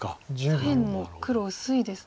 左辺も黒薄いですね。